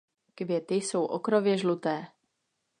Květy jsou okrově žluté.